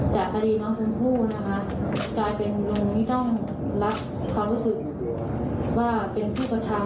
แต่คดีน้องชมพู่นะคะกลายเป็นลุงที่ต้องรับความรู้สึกว่าเป็นผู้กระทำ